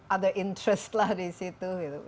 ada keinginan lain di situ